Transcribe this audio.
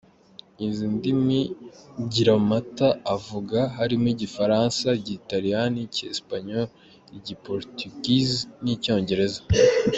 Izindi ndimi Giramata avuga harimo Igifaransa, Igitaliyani, Icyesipanyoro, Igi- Portuguese n’Icyongereza.